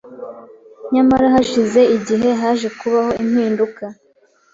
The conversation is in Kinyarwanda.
Nyamara hashize igihe haje kubaho impinduka